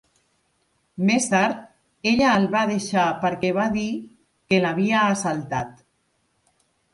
Més tard, ella el va deixar perquè va dir que l'havia assaltat.